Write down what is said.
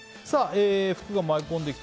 福が舞い込んできた！